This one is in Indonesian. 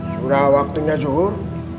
sudah waktunya zuhur